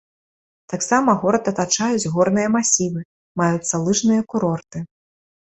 Таксама горад атачаюць горныя масівы, маюцца лыжныя курорты.